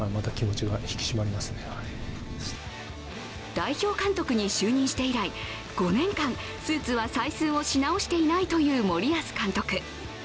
代表監督に就任して以来５年間スーツは採寸をし直していないという、森保監督。